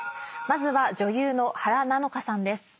まずは女優の原菜乃華さんです。